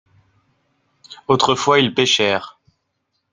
autrefois ils pêchèrent.